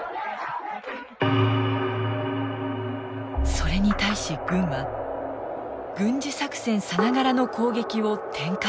それに対し軍は軍事作戦さながらの攻撃を展開したのです。